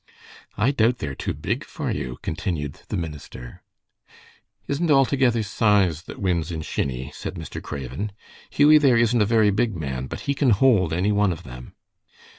"I doubt they are too big for you," continued the minister. "Isn't altogether size that wins in shinny," said Mr. Craven. "Hughie there isn't a very big man, but he can hold any one of them."